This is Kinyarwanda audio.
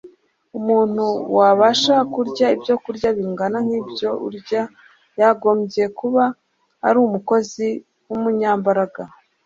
umuntu wabasha kurya ibyokurya bingana nk'ibyo urya yagombye kuba ari umukozi w'umunyambaraga